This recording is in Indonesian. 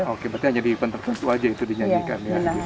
oke berarti hanya di event tertentu saja itu dinyanyikan